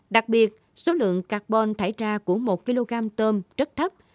đặc biệt số lượng carbon thải ra của một kg tôm rất thấp